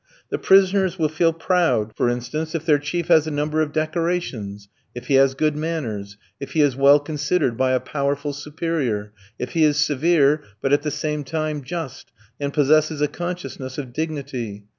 The prisoners will feel proud, for instance, if their chief has a number of decorations; if he has good manners; if he is well considered by a powerful superior; if he is severe, but at the same time just, and possesses a consciousness of dignity.